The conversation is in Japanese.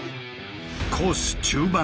コース中盤。